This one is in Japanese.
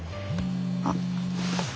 あっ。